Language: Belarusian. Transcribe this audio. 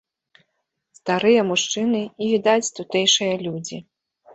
Старыя мужчыны і, відаць, тутэйшыя людзі.